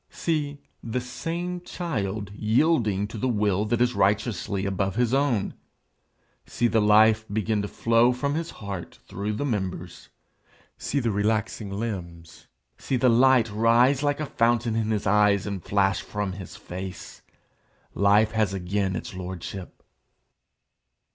See the same child yielding to the will that is righteously above his own; see the life begin to flow from the heart through the members; see the relaxing limbs; see the light rise like a fountain in his eyes, and flash from his face! Life has again its lordship!